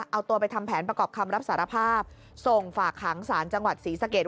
เอาตัวไปทำแผนประกอบคำรับสารภาพส่งฝากหางศาลจังหวัดศรีสะเกด